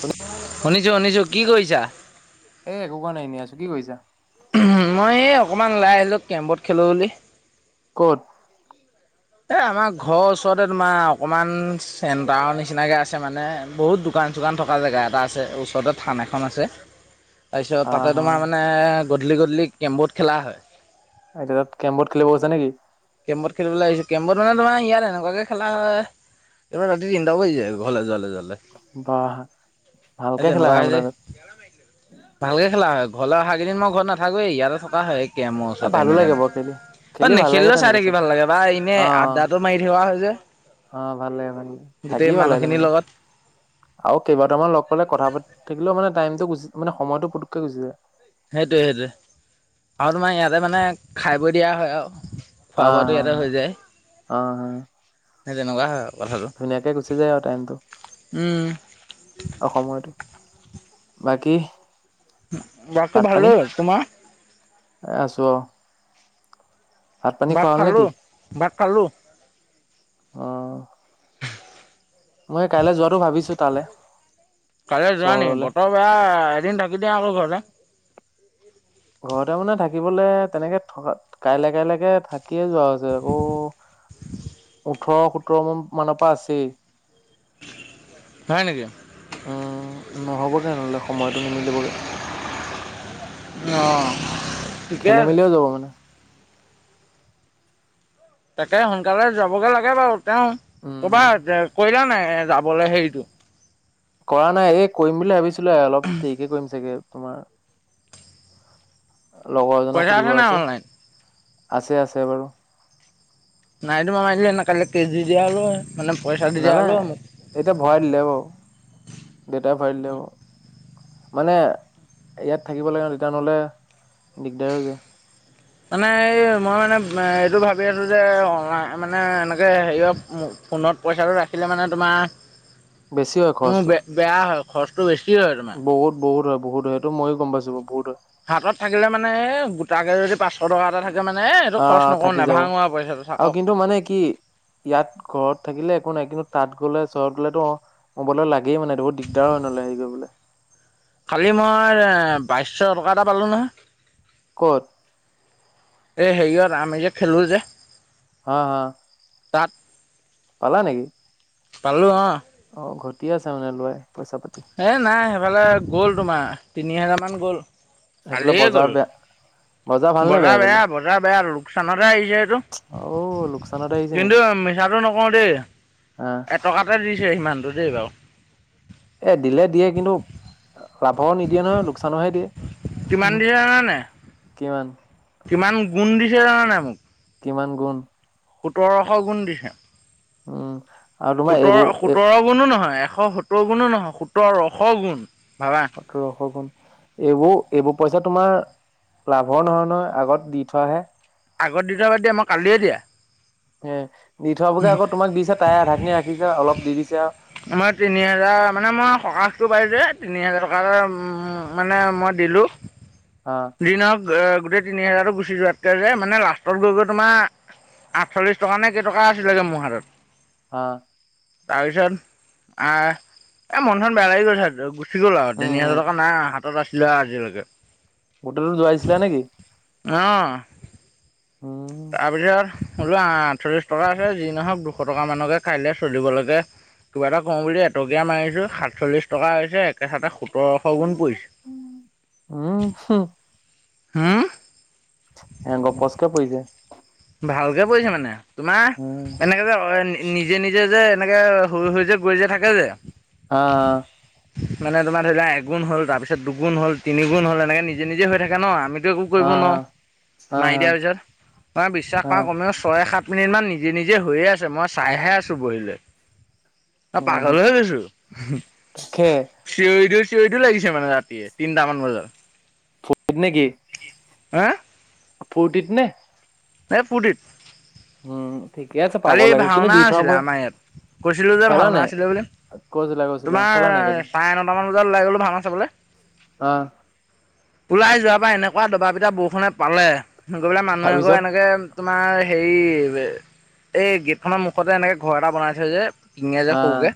এ শুনিছো শুনিছো কি কৰিছা এ একো কৰা নাই নি আছো কি কৰিছা মই এই অকণমান ললাই আহিলোঁ কেমবৰ্ড খেলোঁ বুলি ক'ত এ আমাৰ ঘৰৰ ওচৰতে তোমাৰ অকমান চেণ্টাৰৰ নিচিনাকে আছে মানে বহুত দোকান চোকান থকা জেগা এটা আছে ওচৰতে থান এখন আছে [unintelligible] তাৰপিছত আহ তাতে হা তোমাৰ মানে গধূলি গধূলি কেমবৰ্ড খেলা হয় এতিয়া তাত কেমবৰ্ড খেলিব গৈছা নেকি কেমবৰ্ডেলিবলৈ আহিছো কেমবৰ্ড মানে তোমাৰ ইয়াত এনেকুৱাকে খেলা হয় এইবাৰ ৰাতি তিনিটা কৰি যায় ঘৰলে যাললে যাললে বাহ এ ভালকে খেলা তেনেকুৱা হয় আহ মানে যে তাত ভালকে খেলা হয় ঘৰলৈ অহা কেইদিন মই ঘৰত নাথাকোৱেই ইয়াতে থকা হয় মোৰ এ ওচৰতে ভালো নিলম লাগে বাৰু খেলি। খেলি নে ভাল লাগে চাই তেনেকে থাকি চব ভাল লাগে বা এনে অ আদ্দাটো মাৰি থকা হয় যে অ ভালে ভাল থাকি গোটেই ভালে মানুহখিনিৰ তেনেকুৱা লগত আৰু কেইবাটামান লগ পালে কথা পা থাকিলেও মানেটাইমটো গুচি মানে সময়টো পুটুকে গুচি যায় সেইটোৱে সেইটোৱে আৰু তোমাৰ ইয়াতে মানে খাই বৈ দিয়া হয় আৰু খোৱা অ বোৱাটো হা ইয়াতে হৈ যায় অ হা সেই তেনেকুৱা হয় আৰু কথাটো ধুনীয়াকে গুচি যায় আৰু টাইমটো উম অ সময়তো বাকী বাকী ভাত পানী ভালে তোমাৰ এ আছোঁ আৰু পানী ভাত খোৱা হ'ল খালো নেকি? ভাত খালোঁ অ মই কাইলৈ যোৱাটো ভাবিছো তালে কাইলৈ যোৱা নি চহৰলে। বতৰ বেয়া এদিন থাকি দিয়া আৰু ঘৰতে ঘৰতে মানে থাকিবলে তেনেকে থকা কাইলে কাইলৈকে থাকিয়ে যোৱা হৈছে আকৌ ওঠৰ সোতৰ ম মানৰ পৰা আছেই হয় নেকি উম নহবগে নহ'লে সময়তটো নিমিলিবগে অহ ঠিকে খেলি আছে মেলিও যাব মানে তাকে সোনকালে যাবগৈ লাগে বাৰু তেওঁ উম। ক'ৰবাত কৈলা নাই যাবলৈ হেৰিটো কৰা নাই এ কৰিম বুলি ভাবিছিলো অলপ দেৰিকে কৰিম চাগে তোমাৰ লগৰ এজনক পইচা সুধিব নাই আছে অনলাইন আছে বাৰু নাই তোমাৰ মই মাৰিলে এনে কালি কেজি দিয়া হল মানে পইচা দি দিয়া হ'লেও নালাগে, মোক এতিয়া ভৰাই দিলে বাৰু, দেউতাই ভৰাই দিলে বাৰু। মানে ইয়াত থাকিব লাগে দেউতাৰ হ'লে দিগদাৰো হৈ যায়। মানে এই মই মানে এইটো ভাবি আছোঁ যে মানে এনেকৈ হেৰি ফোনত পইচাটো ৰাখিলে মানে তোমাৰ বেছি হয় মোৰ খৰচটো। বেয়া হয় খৰচটো বেছি হয় তোমাৰ বহুত, বহুত হয় বহুত হয় সেইটো ময়ো গম পাইছ বাৰু বহুত হয়। হাতত থাকিলে মানে গোটাকে যদি পাছ শ টকা এটা থাকে মানে এইটো খৰচ নকৰো নাই নেভাঙো পইচাটো থাকক। টো মানে কি? ইয়াত ঘৰত থাকিলে একো নাই কিন্তু তাত গ'লে চহৰত গ'লে‌ টো অ' মোবাইলত লাগেই মানে বহুত দিগদাৰ হয় নহলে আহি যাবলে। কালি মই বাইছশ টকা এটা পালোঁ নহয়। ক'ত? এই হেৰিয়ত আমি যে খেলোঁ যে। অ‌', অ'। তাত। পালা নেকি? পালো অ'। অ', ঘটি আছে মানে লোৰাই পইচা পাতি। এই নাই সেইফালে গ'ল তোমাৰ, তিনি হেজাৰমান গ'ল। সেইফালে কালিয়ে গ'ল বজাৰ বেয়া। বজাৰ বেয়া, বজাৰ বেয়া লোকচানতে আহিছে এইটো। অ লোকচানত আহিছে কিন্তু মিছাটো নকওঁ দেই। অ'। এটকাতে দিছে সিমানটো দেই বাৰু। এ দিলে দিয়ে কিন্তু লাভৰ নিদিয়ে নহয় লোকচানৰ হে দিয়ে। কিমান দিলে জানানাই? কিমান? কিমান গুণ দিছে জানানাই মোক। কিমান গুণ? সোতৰশ গুণ দিছে। উম। আৰু তোমাৰ এইবোৰ এই সোতৰ-সোতৰ গুণো নহয়, এশ সোতৰ গুণো নহয়, সোতৰশ গুণ ভাবা। সোতৰশ গুন, এইবোৰ-এইবোৰ পইচা তোমাৰ লাভৰ নহয়, নহয় আগত দি থোৱা হে। আগত দিওঁতে বাদ দিয়া মই কালিয়ে দিয়া। সেয়াই, দি থোৱাবোৰকে আকৌ তোমাক দিছে তাৰে আধা খিনি ৰাখিছে অলপ দি দিছে আৰু। মই তিনি হাজাৰ মানে মই সহাশটো পাই যে তিনি হাজাৰ টকা এটা মানে মই দিলো। অ'। যি নহওঁক গোটেই তিনি হেজাৰটো গুচি যোৱাতকে যে মানে লাষ্টত গৈ গৈ তোমাৰ আঠচল্লিশ টকা নে কেইটকা আছিলগে মোৰ হাতত। অ'। তাৰপিছত আ। এ মন চন বেয়া লাগি গৈছে গুচি গ'ল আৰু, উম তিনি হাজাৰ হম টকা নাই হাতত আছিলে আৰু আজিলৈকে। হোটেল যোৱাইছিলে নেকি? অ। উম তাৰপিছত বোলো আঠচল্লিশ টকা আছে যি নহওক দুশ টকা মানকে কাইলৈ চলিব লাগে। কিবা এটা কওঁ বুলি এটকীয়া মাৰিছো সাতচল্লিশ টকা আহিছে। একে ছাতে সোতৰশ গুণ পৰি, উম হু। গপচে পৰি যায়। ভালকে পৰিছে মানে। তোমাৰ উম এনেকে যে নিজে নিজে যে এনেকে শুই, শুই যে গৈ যে থাকে যে। অ। মানে তোমাৰ ধৰি লোৱা এগুণ হ'ল তাৰপিছত দুুগুণ হ'ল তিনি গুণ হল এনেক নিজে, নিজে হৈ থাকে নহ আমি একো অ কৰিব নোৱাৰো অ মাৰি দিয়াৰ পিছত বিশ্বাস অ কৰা কমেও ছয় সাত মিনিট মান নিজে, নিজে হৈয়ে আছে মই চাইহে আছোঁ। [unintelligible] অ পাগল উ হৈ গৈছোঁ। খে চিঞৰি দিওঁ চিঞৰি দিওঁ লাগিছে মানে ৰাতিয়ে তিনিটামান বজাত। [unintelligible] নেকি। [unintelligible] ফূৰ্তিত নে? এ ফূৰ্তিত। উম ঠিকে আছে পাব লাগে কিন্তু দি। [unintelligible] কৈছিলোঁ যে চালা ভাওনা নাই আছিলে বুলি। [unintelligible] তোমাৰ নাই কালি চাৰে নটামান বজাত ওলাই গ'লো ভাওনা চাবলৈ। অ। ওলাই যোৱাৰ পৰা এনেকুৱা দবা পিটা বৰষুণে পালে গৈ পেলাই মানুহ এঘৰ তাৰপিছত এনেকে। তোমাৰ হেৰি। এই গেটখনৰ মুখতে এনেকে ঘৰ এটা বনাইছে যে। [unintelligible] যে অ সৰুগে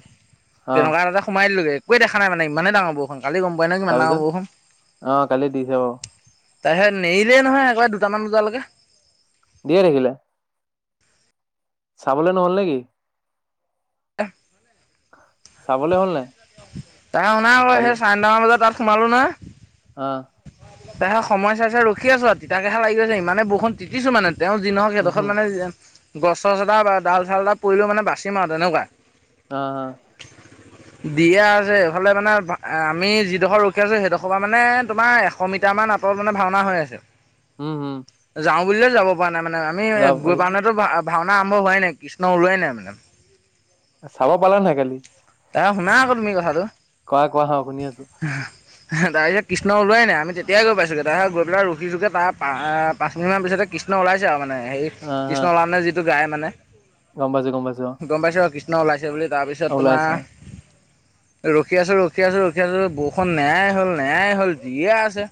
অ তেনেকুৱা এটা সোমাই দিলোগৈ একোৱে দেখা নাই মানে ইমানেই ডাঙৰ বৰষুণ কালি গম প উপাই নাই ইমান ডাঙৰ তাৰপিছত বৰষুণ। অ কালি দিছে বাৰু তাৰপিছত নেৰিলে নহয় একেবাৰে দুটামান বজালৈকে। দিয়ে থাকিলে। চাবলৈ নহ'ল নেকি? [unintelligible] চাবলৈ হ'ল নাই? তাই [unintelligible] হ'ল কালি সেই চাৰে নটামান বজাত তাত সোমালো না। অ। [unintelligible] সময় চাই, চাই ৰখি আছোঁ আৰু তিতা কেহা লাগি গৈছে ইমানে বৰষুণ তিতিছো মানে। তেওঁ যি নহওক উম সেইডোখৰত হম মানে গছ চছ এটা বা ডাল চাল এটা পৰিলেও মানে বাচিম আৰু তেনেকুৱা। অ। দিয়া আছে এইফালে মানে আমি যিডোখৰ ৰখি আছোঁ সেইডোখৰ পৰা মানে। তোমাৰ এশ মিটাৰ মান আঁতৰত মানে ভাওনা হৈ আছে। উম হুম। যাওঁ বুলিলে যাব পৰা নাই মানে আমি গৈ পাৰিব পাই মানে ভাওনা আৰম্ভ হোৱাই নাই কৃষ্ণ ওলোৱাই নাই মানে। চাব পালা নাই কালি। [unintelligible] শুনা আকৌ তুমি কথাটো। কোৱা, কোৱা [unintelligible] শুনি আছোঁ। ডাইৰেক্ট। কৃষ্ণ ওলোৱাই নাই, আমি তেতিয়া গৈ পাইছোঁগে। তাহাত গৈ পেলাই ৰখিছোঁগে, তা পাঁচমিনিটমান পিছতে কৃষ্ণ ওলাইছে আৰু মানে হেৰি আহ হা কৃষ্ণ উলাউন্তে যিটো গায় মানে। গম পাইছো গম পাইছো গম পাইছ, কৃষ্ণ ওলাইছে বুলি। তাৰপিছত অ তোমাৰ ওলাইছা ৰখি আছো, ৰখি আছো, ৰখি আছো বৰুখন নেয়াই হল, নোয়াই হল দিয়ে আছে।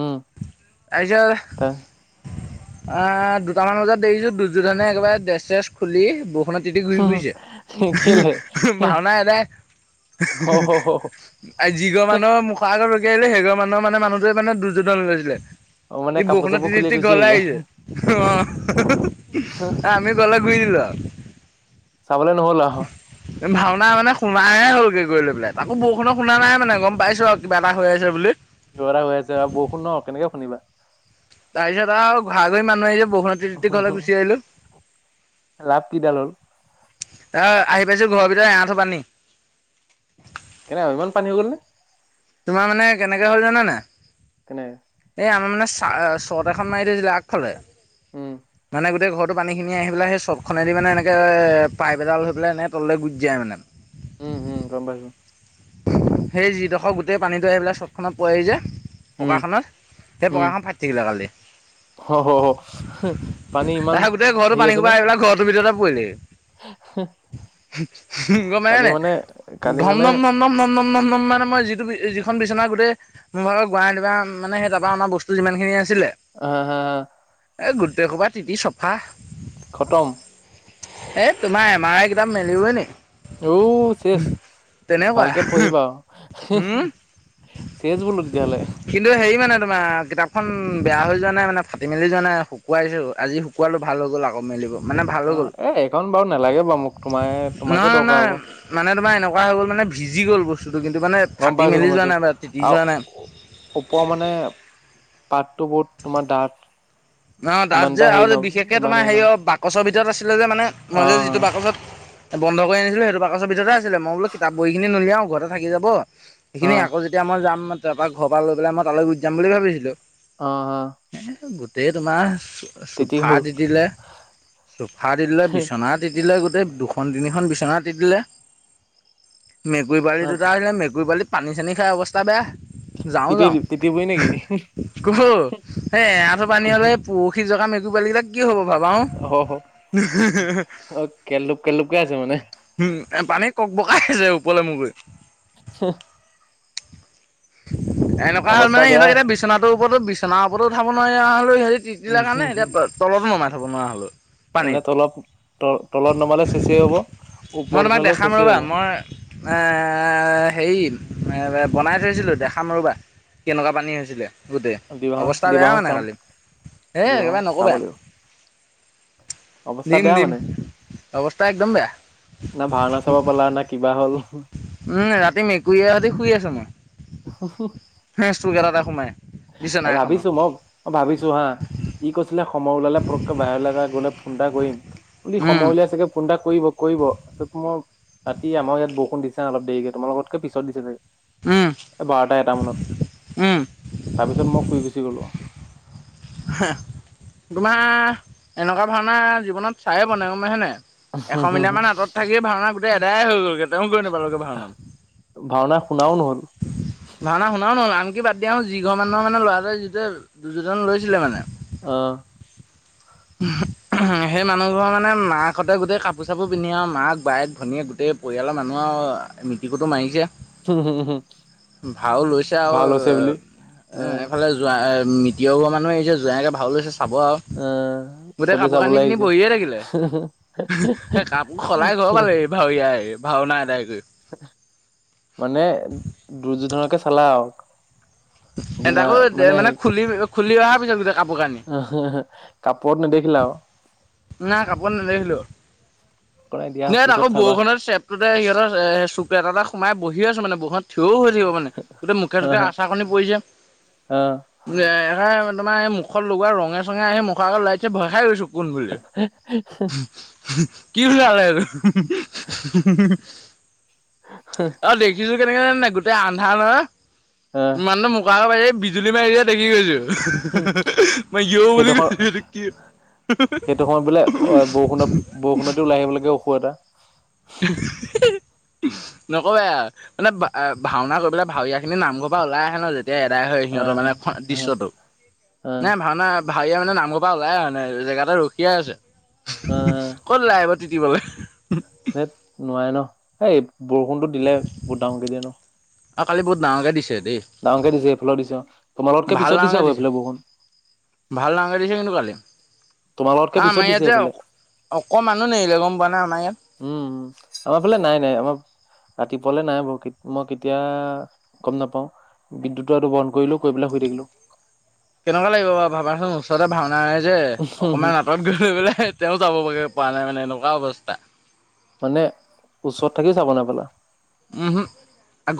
উম তাৰ তাৰ পিছ আ দুটামান বজাত দেৰিছো দুৰ্যোধনে একেবাৰে ড্ৰেছ চেছ খুলি ব বৰষুণত তিতি ঘূৰি ঘুৰিছে। কেলে ভাওনা এদাই। অ হ হ হ। আৰু যিঘৰ মানুহ মুখ আগত ৰখি আহিলে সেই ঘৰ মানুহ মানে মানুহটোৱে মানে দুৰ্যোধন লৈছিলে। অ মানে সি কাপোৰ বৰষুণত চাপোৰ তিতি খুলি তিতি গুচি ঘৰলে আহিলে আহিছে। অ, আমি গলে ঘুই [unintelligible] চাবলে নহ'ল আহ। ভাওনা মানে শুনাই হলগে গৈ লৈ পেলাই। তাকো বৰষুণত শুনা নাই মানে গম পাইছো আও কিবা এটা হৈ আছে বুলি। কিবা এটা হৈ আছে আৱ। বৰষুণ ন, কেনেকে শুনিবা? তাৰপিছত আৱ ঘৰা ঘৰি মানুহ আহিছে বখুনত তিতি তিতি ঘলে গুচি আহিলোঁ। লাভ কিডাল হ'ল অ, আহি পাইছো ঘৰৰ ভিতৰত এ আঁঠু পানী। কেনেকা ইমান পানী হৈ গল নে? তোমাৰ মানে কেনেকে হল জানেনে? কেনেকে? এই আমাৰ মানে চা ছট এখন মাৰি থৈছিলে আগফালে। উম। মানে গোটেই ঘৰটো পানীখিনি আহি পেলাই সেই ছত খনেদি মানে এনেকে পাইপ এডাল হৈ পেলাই এনে তললে গুজ যায় মানে। উম উম গম পাইছো। সেই যিডখ গো গোটেই পানীটো আহি পেলাই চ'টখনত পইহি যে উম পকাখনত। সেই উম পকাখন ফাটি থাকিলে কালি। [unintelligible] পানী ইমান [unintelligible] গোটেই ঘৰটো হেৰি পানী আছে নে হুপা আহি পেলাই ঘটো ভিতৰতে পৰিলেহি। গম পাইছে কালি নাই? মানে কালি ধম মানে ধ নম নম নম নম নম নম মানে মই যিটো যিখন বিচনা গোটেই মইও গুৱাহাটি পা মানে সে তাপা আনা বস্তু যিমান খিনি আছিলে। [unintelligible] এই গোটেই সোপা তিতি চফা। খটম। এই তোমাৰ এম আৰ আই কিতাপ মেলিবই নি। এউ সেছ। তেনেকুৱা ভালকে পঢ়িবা আৱ। হম চেজ বোলো তেতিয়াহ'লে। কিন্তু হেৰি মানে তোমাৰ কিতাপখন বেয়া হৈ যোৱা নাই মানে ফাটি মেলি যোৱা নাই শুকুৱাইছো। আজি শুকুৱালো ভাল হৈ গ'ল আকৌ মেলিব। মানে ভাল অ হৈ গ'ল এ এইখন বাও নেলাগে বাও মোক তোমাৰ, তোমাকে নহয় দৰকাৰ নহয় হ'ব। মানে তোমাৰ এনেকুৱা হৈ গ'ল মানে ভিজি গ'ল বস্তুটো কিন্তু মানে গম ফাটি পাইছো গম মেলি যোৱা পাইছো নাই বা তিতি আৰু যোৱা নাই। ওপৰ মানে পাতটো বহুত তোমাৰ দাঁঠ। ন ডাঠ যে আৰু যে বিশেষকে ইমান তোমাৰ হেৰি নহয় অ বাকচ ভিতত আছিলে যে মানে, মই অ যে যিটো বাকচত বন্ধ কৰি আনিছিলো। সেইটো বাকচৰ ভিতৰতে আছিলে। মই বোলো কিতাপ বহীখিনি নুলিয়াও, ঘৰতে থাকি যাব অ সেইখিনি আকৌ যে এতিয়া মই যাম তাপা ঘপা লৈ পেলাই মই তালৈ গুচি যাম বুলি ভাবিছিলো। অঁ অঁ গোটেই তোমাৰ তিতি চোফা হ'ল দি দিলে, চোফা দি দিলে বিচনাত তিতিলে গোটেই দুখন তিনিখন বিচনা তিতিলে। মেকুৰী পোৱালি দুটা আহিলে মেকুৰী পোৱালি পানী চানী খাই অৱস্থা বেয়া। যাওঁ তিতি যাওঁ তিতি বুঢ়ী নেকি কহু ক'ত হেই হেতক লে পৰখি জগা মেকুৰি পোৱালি কেইটা কি হ'ব। ভাবা কেলধূপ কেলধূপকে আছে মানে। উম, পানীত কক বকাইছে ওপৰলৈ মুৰ কৰি। [unintelligible] এনেকুৱা হ'ল অৱস্থা মানে বেয়া সিহঁতক এতিয়া বিচনাটোৰ ওপৰতো বিচনাৰ ওপৰতো উঠাব নোৱাৰি আও হেৰি সিহঁতি তিতি ছিলে কাৰণে উম এতিয়া তলতো নমাই থব নোৱাৰা হলোঁ। এনেই তলত ত তলত নমালে চেচেই হ'ব। মই ওপৰত তোমাক উঠালেও দেখাম চেচেই ৰ'বা হ'ব মই এ হেৰি এ বনাই ছিলো দেখাম ৰ'বা, কেনেকুৱা পানী হৈছিলে। গোটেই দিবাহ অৱস্থা বেয়া দিবাহো মানে চাম কালি, হে দিবাহো একেবাৰে চাব নকবাই। লাগিব অৱস্থা বেয়া দিম মানে অৱস্থা একদম বেয়া। না ভাওনা চাব পালা না কিবা হ'ল। উম ৰাতি মেকুৰীয়েহতি শুই আছো মই। [inaudible] হে চুক এটাতে সোমাই। বিচনা এ এখনত। ভাবিছো ম অঁ ভাবিছো হা, ই কৈছিলে সময় ওলালে পতকৈ বাহিৰলৈ এটা গ'লে ফোন এটা কৰিম। ই উম, সময় উলিয়াই চাগে ফোন এটা কৰিব কৰিব, তাপাছত মই ৰাতি আমাৰো ইয়াত বৰষুণ দিছে অলপ দেৰিকে তোমাৰ লোকতকৈ পিছত দিচে চাগে, উম, এ বাৰটা এটা মানত। উম তাৰপিছত মই শুই গুচি গলো। হা তোমাৰ এনেকুৱা ভাওণা জীৱনত চায়েই পোৱা নাই গম পাইছা নাই। এশ মিটাৰ মান আঁতৰত থাকি ভাওনা গোটেই এদাই হৈ গলগৈ তেওঁ গৈ নাপালেগৈ ভাওনাত। ভাওনা শুনাও নহ'ল। ভাওনা শুনাও নহ'ল, আনকি বাদ দিয়াচোন যি ঘৰ মানুহৰ মানে ল'ৰাটোৱে যিটোৱে দুৰ্যোধন লৈছিলে মানে অ সেই মানুহবোৰৰ মানে মাকহঁতে গোটেই কাপোৰ চাপোৰ পিন্ধি আৰু মাক বায়েক ভনীয়েক গোটেই পৰিয়ালৰ মানুহ আৰু মিটিৰ কুটুম আহিছে। ভাও লৈছে আৰু ভাল হৈছে বুলি এ আহ এইফালে জোৱাই মিটিৰৰ ঘৰৰ মানুহ আহিছে, জোৱাইকৈ ভাও লৈছে চাব আও। অঁ গোটেই কাপোৰ কানি পিনি বহিয়ে থাকিলে, এই কাপোৰ সলাই ঘৰ পালেহি। ভাওৰীয়াই ভাওনা এদাই কৰি। মানে দুৰ্যোধনকে চালা আৰু। বিনা তাকো মানে সেই খুলি খুলি অহাৰ পিছত গোটেই কাপোৰ কানি। কাপোৰত নেদখিলা আও। নাই কাপোৰ নেদেখিলো, কৰাই দিয়া এইয়াত আকৌ পিছত চাবা বৰষুণৰ চেপ তে সিহঁতৰ চুক এটা এটা সোমাই বহি আছোঁ মানে বৰষুণ থিয়ও হৈ থাকিব পোৱা নাই, গোটেই মুখে চুখে আচাৰ কণী পৰিছে। তোমাৰ এই মুখত লগোৱা ৰঙে চঙে আহি মুখৰ আগত ওলাইছে ভয় খাই গৈছো কোন বুলি। [unintelligible] কি ওলালে এইটো? অ', দেখিছো কেনেকে জানা নাই গোটেই আন্ধাৰ নহয়, ইমান ম বাৰ বা বিজুলী মাৰিছে দেখি গৈছো। মই ইয়ো বুলি সেইটো সময়ত সেইটো সময়ত বোলে অ বৰষুণত বৰষুণতে ওলাই আহিব লাগে অসুৰ এটা। নকবাই আও মানে ভাওনা হৈ পেলাই ভাওৰীয়া খিনি নামঘৰ পৰা ওলাই আহে ন যে এতিয়া এদায় হয় সিহঁতৰ আহ মানে আহ দৃশ্যটো, আহ না ভাওনা ভাওৰীয়া মানে নামঘৰৰ পৰা ওলাই মানে জেগাতে ৰখিয়েই আছে, আহ ক'ত ওলাই আহিব। কিব বে। ধেত নোৱাৰে ন'। এই বৰষুণতো দিলে বহুত ডাঙৰ কে দিয়ে ন'। অ', কালি বহুত ডাঙকে দিছে দেই। ডাঙকে দিছে এইফালেও দিছে, তোমালতকে ভাল পিছত দিছে ডাঙৰকে আও এইফালে বৰষূণ। ভাল ডাঙৰ কে দিছে কিন্তু কালি। তোমালোকতকে পিছত আমাৰ দিছে ইয়াত যে এইফালে অ' অকমানো নেৰিলে গম পোৱা নে আমাৰ ইয়াত। উম, আমাৰ ফালে নাই নাই আমাৰ ৰাতিপুৱালে নাই বাও, মই কেতিয়া গম নাপাওঁ। বিদ্যুৎৰ সেইটো বন্ধ কৰিলো, কৰি পেলাই শুই থাকিলো। কেনেকুৱা লাগিব বাৰু ভাবাচোন ওচৰতে ভাওনা হৈছে, থাকিলো অকণমান আঁতৰত গৈ পেলাই তেওঁ যাব গে পৰা নাই মানে এনেকুৱ অৱস্থা। মানে ওচৰত থাকিও যাব নাপালা। উমহো।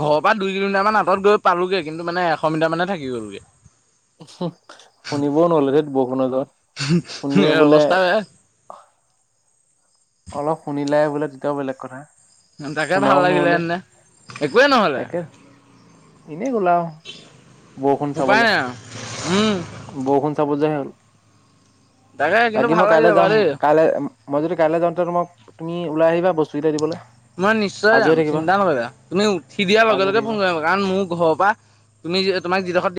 ঘৰৰ পা দুই কিলোমিটাৰ মান আঁতৰত গৈ পালোগে, কিন্তু মানে এশ মিটাৰ মান হে থাকি গ'লগে। শুনিবও নহলে ধেৎ বৰষুণৰ যহত, শুনিয়ে বোলে অৱস্থা বেয়া অলপ শুনিলে বোলে তেতিয়াও বেলেগ কথা। তাকে ভাল শুনাও লাগিলে নহ'লে এনে একোৱেই নহ'লে। এনে উলাও। বৰষুণ উপায় চাবলে, নাই আৰু উম বৰষুণ চাব যোৱা হে হ'ল। তাকে কিন্তু বাকি ভাল মই লাগিলে কাইলে বাৰু যাম, দেই কাইলে মই যদি কাইলে যাওঁ তেন্তে তোমাক, তুমি ওলাই আহিবা বস্তুকেইটা দিবলে। মই নিশ্চয় যাম চিন্তা নকৰিৰা, তুমি উঠি দিয়াৰ লগে সাজু হৈ লগে ফোন থাকিবা এটা কৰি কাৰণ মোৰ ঘৰ পা, তুমি তোমাক যিডখৰত